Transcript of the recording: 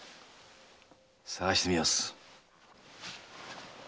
捜してみます。